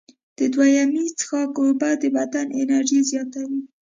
د دویمې څښاک اوبه د بدن انرژي زیاتوي.